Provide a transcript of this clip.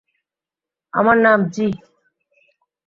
আমার নাম যী।